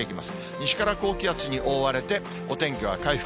西から高気圧に覆われて、お天気は回復。